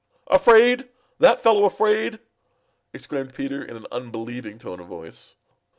"Afraid! That fellow afraid!" exclaimed Peter in an unbelieving tone of voice.